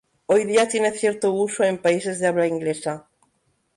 Hoy día tiene cierto uso en países de habla inglesa.